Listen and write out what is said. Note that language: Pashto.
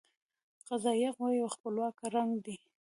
قضائیه قوه یو خپلواکه رکن دی.